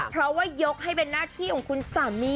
เพราะว่ายกให้เป็นหน้าที่ของคุณสามี